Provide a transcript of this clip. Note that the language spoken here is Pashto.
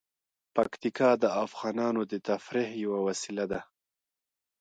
پکتیکا د افغانانو د تفریح یوه وسیله ده.